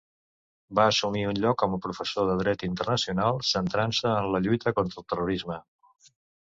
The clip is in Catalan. Va assumir un lloc com a professor de dret internacional, centrant-se en la lluita contra el terrorisme.